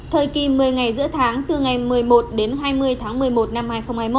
thời kỳ một mươi ngày giữa tháng từ ngày một mươi một đến hai mươi tháng một mươi một năm hai nghìn hai mươi một